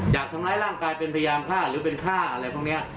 อยากทำร้ายร่างกายเป็นพยายามฆ่าหรือเป็นฆ่าอะไรพวกนี้